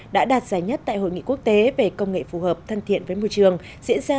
đã đạt giải nhất tại hội nghị quốc tế về công nghệ phù hợp thân thiện với môi trường diễn ra